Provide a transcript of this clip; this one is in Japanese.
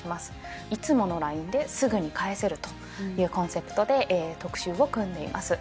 いつもの「ＬＩＮＥ」ですぐに返せるというコンセプトで特集を組んでいます。